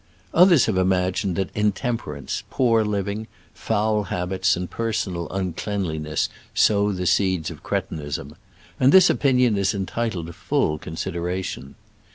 Others have imagined that intemper ance, poor living, foul habits and per sonal uncleanliness sow the seeds of cretinism ; and this opinion is entitled to full consideration.